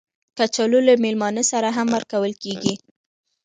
کچالو له میلمانه سره هم ورکول کېږي